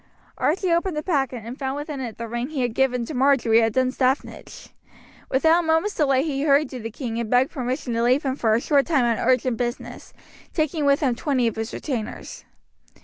Archie opened the packet and found within it the ring he had given to Marjory at Dunstaffnage. Without a moment's delay he hurried to the king and begged permission to leave him for a short time on urgent business, taking with him twenty of his retainers.